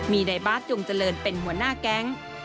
มีในบาร์ดจงเจริญเป็นหัวหน้าแก๊ง